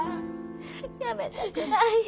やめたくないよ。